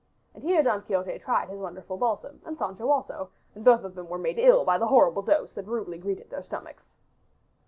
And here Don Quixote tried his wonderful balsam and Sancho also, and both of them were made ill by the horrible dose that rudely greeted their stomachs.